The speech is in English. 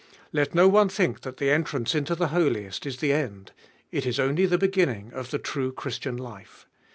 Let no one think that the entrance into the Holiest is the end, it is only the beginning of the true Christian life.